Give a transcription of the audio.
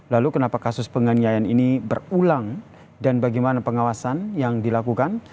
lalu kenapa kasus penganiayaan ini berulang dan bagaimana pengawasan yang dilakukan